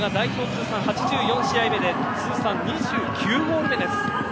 通算８４試合目で通算２９ゴール目です。